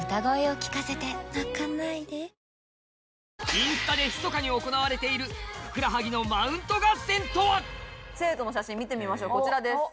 インスタでひそかに行われている生徒の写真見てみましょうこちらです。